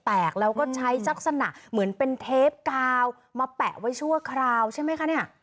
แล้วก็ใช้ลักษณะเหมือนเป็นเทปกาวมาแปะไว้ชั่วคราวใช่ไหมคะเนี่ย